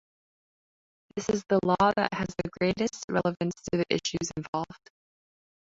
This is the law that has the greatest relevance to the issues involved.